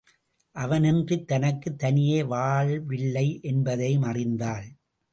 அவனின்றித் தனக்குத் தனியே வாழ்வில்லை என்பதையும் அறிந்தாள்.